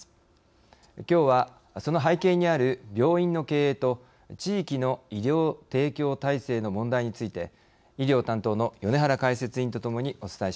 きょうはその背景にある病院の経営と地域の医療提供体制の問題について医療担当の米原解説委員とともにお伝えします。